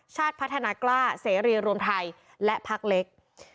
ชาติพัฒนากล้าเสรีรวมไทยและพักเล็ก